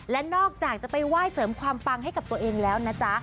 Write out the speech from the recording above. และนอกจากจะไปไหว้เสริมความปังให้กับตัวเองแล้วนะจ๊ะ